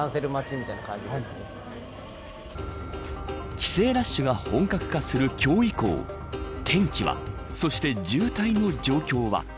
帰省ラッシュが本格化する今日以降天気は、そして渋滞の状況は。